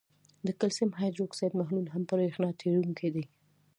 د کلسیم هایدروکساید محلول هم برېښنا تیروونکی دی.